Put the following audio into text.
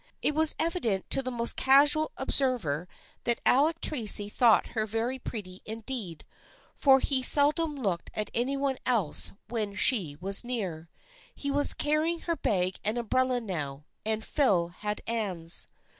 It was evident to the most casual observer that Alec Tracy thought her very pretty indeed for he seldom looked at any one else when she was near. He was carrying her bag and umbrella now, and Phil had Anne's.